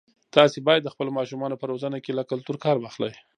تاسي باید د خپلو ماشومانو په روزنه کې له کلتور کار واخلئ.